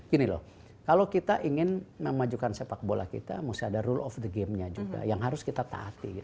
gini loh kalau kita ingin memajukan sepak bola kita mesti ada rule of the game nya juga yang harus kita taati